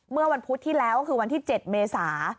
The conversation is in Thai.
เมื่อวันพุธที่แล้วก็คือวันที่๗เมษา